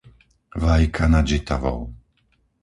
Vajka nad Žitavou